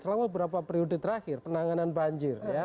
selama berapa periode terakhir penanganan banjir